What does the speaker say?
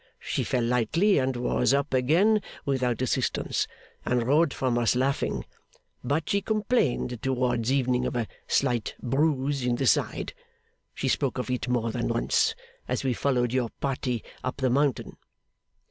She fell lightly, and was up again without assistance, and rode from us laughing; but she complained towards evening of a slight bruise in the side. She spoke of it more than once, as we followed your party up the mountain.